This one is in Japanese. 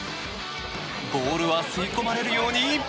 ボールは吸い込まれるように。